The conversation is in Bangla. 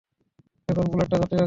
এখন বুলেটটা ধরতে যাচ্ছি।